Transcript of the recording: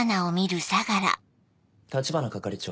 橘係長。